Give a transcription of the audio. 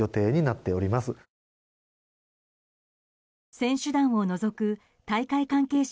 選手団を除く大会関係者